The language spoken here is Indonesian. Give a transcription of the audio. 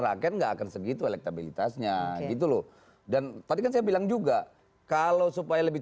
rakyat nggak akan segitu elektabilitasnya gitu loh dan tadi kan saya bilang juga kalau supaya lebih